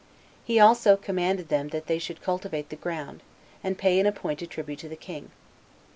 He also commanded them that they should cultivate the ground, and pay an appointed tribute to the king.